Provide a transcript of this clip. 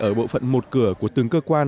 ở bộ phận một cửa của từng cơ quan